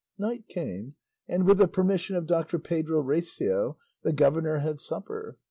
Night came, and with the permission of Doctor Pedro Recio, the governor had supper.